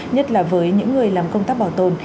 nhất là với những người làm công tác bảo tồn